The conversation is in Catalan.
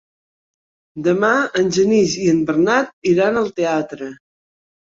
Demà en Genís i en Bernat iran al teatre.